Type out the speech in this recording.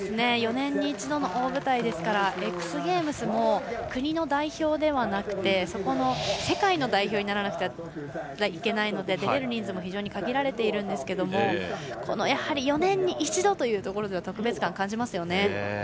４年の一度の大舞台ですからＸＧＡＭＥＳも国の代表ではなくて世界の代表にならないといけないので出れる人数も非常に限られているんですけど４年に一度というところでは特別感を感じますよね。